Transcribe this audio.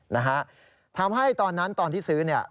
นะฮะทำให้ตอนนั้นตอนที่ซื้อเนี่ย